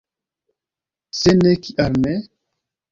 Se ne, kial ne?